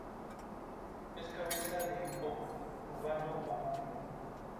Es hermana pequeña de Shelby Lynne y está casada con el cantautor Steve Earle.